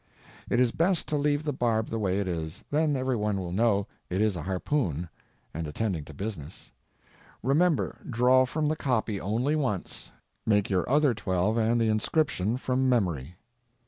It is best to leave the barb the way it is, then every one will know it is a harpoon and attending to business. Remember—draw from the copy only once; make your other twelve and the inscription from memory.